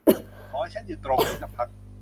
ขอให้ฉันอยู่ตรงนี้สักพัก